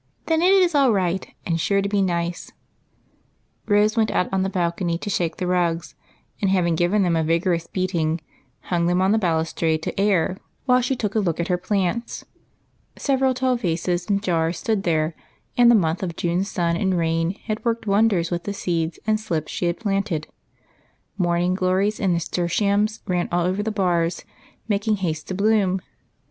" Then it is all right, and sure to be nice." 94 EIGHT COUSINS. Rose went out on the balcony to shake the rugs, and, having given them a vigorous beating, hung them on the balustrade to air, while she took a look at her plants. Several tall vases and jars stood there, and a month of June sun and rain had worked won ders with the seeds and slips she had planted. Morn ing glories and nasturtiums ran all over the bars, making haste to bloom.